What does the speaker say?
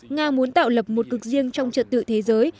nga muốn tạo lập một cực riêng trong trật tự thế giới